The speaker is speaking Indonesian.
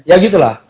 ya gitu lah